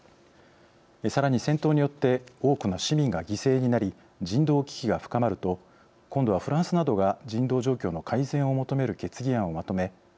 さらに戦闘によって多くの市民が犠牲になり人道危機が深まると今度はフランスなどが人道状況の改善を求める決議案をまとめ